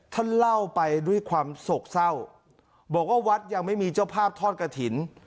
ท่านเล่าไปด้วยความโศกเศร้าบอกว่าวัดยังไม่มีเจ้าภาพทอดกระถิ่น